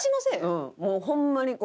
もうホンマにこう。